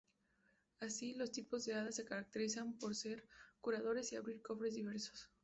Así, los de tipo hada se caracterizan por ser curadores y abrir cofres diversos.